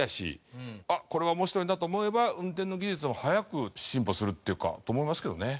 あっこれは面白いなと思えば運転の技術も早く進歩するっていうかと思いますけどね。